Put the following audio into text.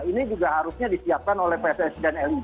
ini juga harusnya disiapkan oleh pss dan lug